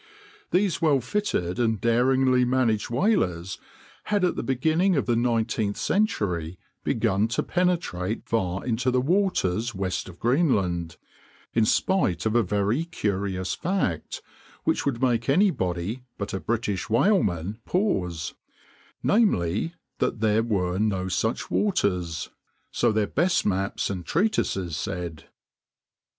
These well fitted and daringly managed whalers had at the beginning of the nineteenth century begun to penetrate far into the waters west of Greenland, in spite of a very curious fact, which would make anybody but a British whaleman pause—namely, that there were no such waters. So their best maps and treatises said!